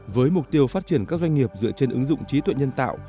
với mục tiêu phát triển các doanh nghiệp dựa trên ứng dụng trí tuệ nhân tạo